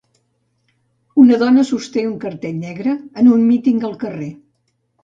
Una dona sosté un cartell negre en un míting al carrer.